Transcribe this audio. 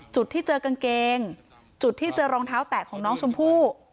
จุดที่เจอกางเกงจุดที่เจอรองเท้าแตะของน้องชมพู่